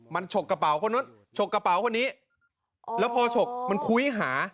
มันฉกกระเป๋าคนนู้นฉกกระเป๋าคนนี้แล้วพอฉกมันคุยหา